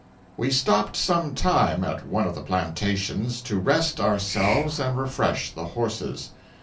We stopped some time at one of the plantations, to rest ourselves and refresh the horses.